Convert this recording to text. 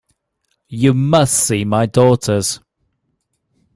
You must see my daughters.